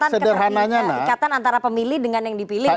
jadi ikatan antara pemilih dengan yang dipilih